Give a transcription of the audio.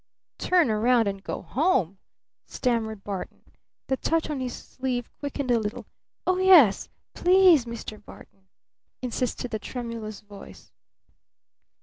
"Turn round and go home?" stammered Barton. The touch on his sleeve quickened a little. "Oh, yes please, Mr. Barton!" insisted the tremulous voice.